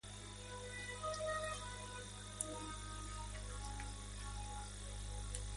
Se dedicó al estudio de estrellas variables y a la astronomía práctica.